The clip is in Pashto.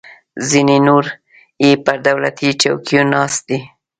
ځینې نور یې پر دولتي چوکیو ناست دي.